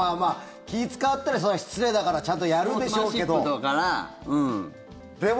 気、使ったら、それは失礼だからちゃんとやるでしょうけど。